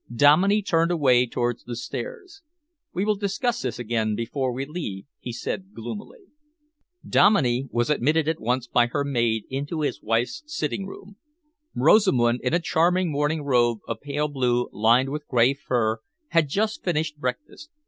Dominey turned away towards the stairs. "We will discuss this again before we leave," he said gloomily. Dominey was admitted at once by her maid into his wife's sitting room. Rosamund, in a charming morning robe of pale blue lined with grey fur, had just finished breakfast.